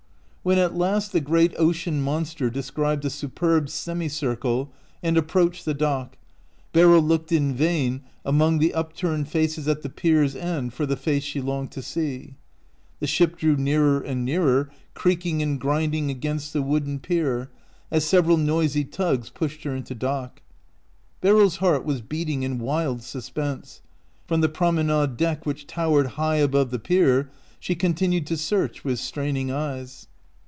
When at last the great ocean monster described a superb semicircle and ap proached the dock, Beryl looked in vain among the upturned faces at the pier's end for the face she longed to see. The ship drew nearer and nearer, creaking and grind ing against the wooden pier as several noisy tugs pushed her into dock. Beryl's heart was beating in wild suspense. From the promenade deck which towered high above the pier she continued to search with straining eyes.